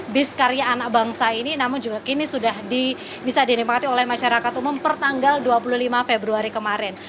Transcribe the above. bis karya anak bangsa ini namun juga kini sudah bisa dinikmati oleh masyarakat umum pertanggal dua puluh lima februari kemarin